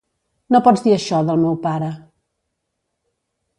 No pots dir això del meu pare!